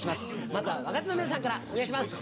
まずは若手の皆さんからお願いします。